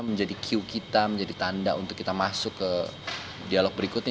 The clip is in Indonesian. menjadi q kita menjadi tanda untuk kita masuk ke dialog berikutnya